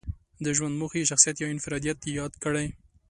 د ژوند موخه یې شخصيت يا انفراديت ياد کړی.